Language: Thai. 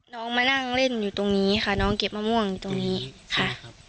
น้องมานั่งเล่นอยู่ตรงนี้ค่ะน้องเก็บมะม่วงอยู่ตรงนี้ค่ะครับ